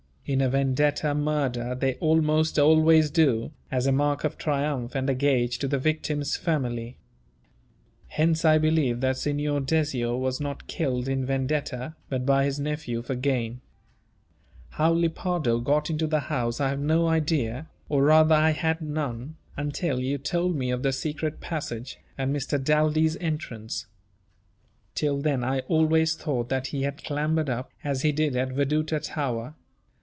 In a Vendetta murder they almost always do, as a mark of triumph and a gage to the victim's family. Hence I believed that Signor Dezio was not killed in Vendetta, but by his nephew for gain. How Lepardo got into the house I have no idea, or rather I had none, until you told me of the secret passage, and Mrs. Daldy's entrance. Till then I always thought that he had clambered up, as he did at Veduta tower.